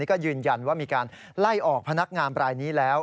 ก็ยืนยันว่ามีการไล่ออกพนักงานรายนี้แล้ว